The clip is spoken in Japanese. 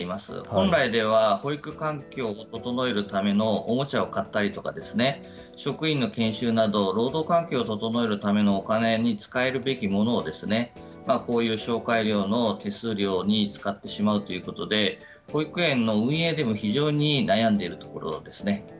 本来では、保育環境を整えるためのおもちゃを買ったりとか、職員の研修など、労働環境を整えるためのお金に使えるべきものを、こういう紹介料の手数料に使ってしまうということで、保育園の運営でも非常に悩んでいるところです